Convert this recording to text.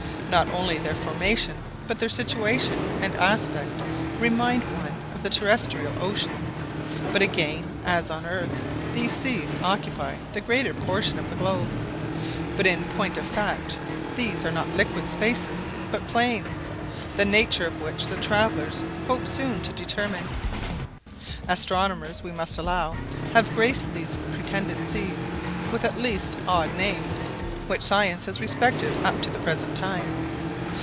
Not only their formation, but their situation and aspect remind one of the terrestrial oceans; but again, as on earth, these seas occupy the greater portion of the globe. But in point of fact, these are not liquid spaces, but plains, the nature of which the travelers hoped soon to determine. Astronomers, we must allow, have graced these pretended seas with at least odd names, which science has respected up to the present time.